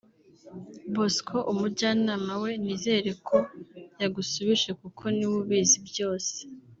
Bosco (Umujyanama we) nizere ko yagusubije kuko niwe ubizi byose